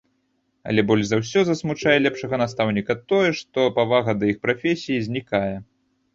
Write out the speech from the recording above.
Але больш за ўсё засмучае лепшага настаўніка тое, што павага да іх прафесіі знікае.